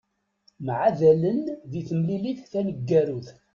Mεadalen di temlilit taneggarut.